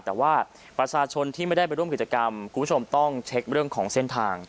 แต่ว่าประชาชนที่ไม่ได้ไปร่วมกิจกรรมคุณผู้ชมต้องเช็คเรื่องของเส้นทาง